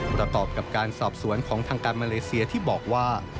ประกอบกับการสอบสวนของทางการมาเลเซียที่บอกว่า